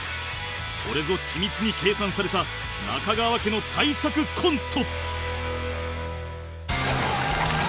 これぞ緻密に計算された中川家の大作コント